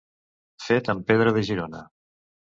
Fet en pedra de Girona.